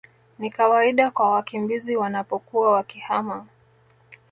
ni kawaida kwa wakimbizi wanapokuwa wakihama